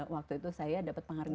waktu itu saya dapat penghargaan